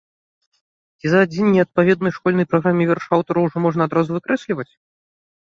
Ці за адзін неадпаведны школьнай праграме верш аўтара ўжо можна адразу выкрэсліваць?